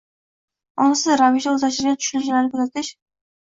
– ongsiz ravishda o‘zlashtirilgan tushunchalarni ketkazish